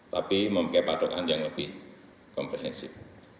tapi memakai patokan yang lebih komprehensif